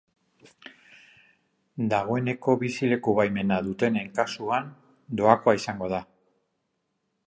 Dagoeneko bizileku-baimena dutenen kasuan doakoa izango da.